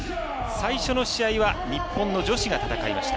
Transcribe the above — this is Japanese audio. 最初の試合は日本の女子が戦いました。